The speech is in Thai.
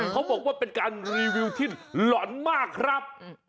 เขาบอกว่าเป็นการรีวิวที่หล่อนมากครับ